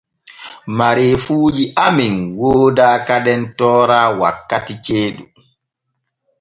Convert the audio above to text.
Mareefuuji amen wooda kadem toora wakkiti jeeɗu.